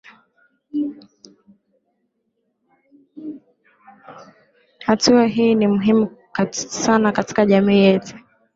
hatua hii ni muhimu sana katika jamii yetu